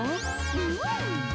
うん！